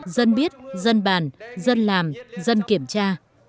dân biết dân bàn dân làm dân kiểm tra